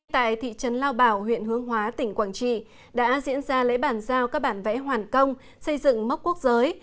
tại thị trấn lao bảo huyện hướng hóa tỉnh quảng trị đã diễn ra lễ bàn giao các bản vẽ hoàn công xây dựng mốc quốc giới